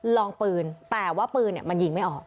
ลองปืนแต่ว่าปืนมันยิงไม่ออก